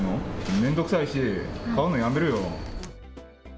面倒くさいし買うのやめるよ。